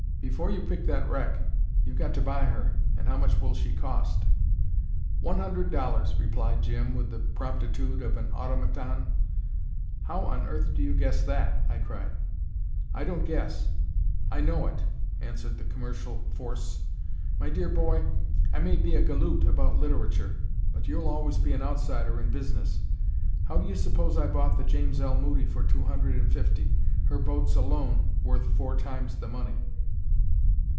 "Before you pick that wreck, you've got to buy her, and how much will she cost?" "One hundred dollars," replied Jim, with the promptitude of an automaton. "How on earth do you guess that?" I cried. "I don't guess; I know it," answered the Commercial Force. "My dear boy, I may be a galoot about literature, but you'll always be an outsider in business. How do you suppose I bought the James L. Moody for two hundred and fifty, her boats alone worth four times the money?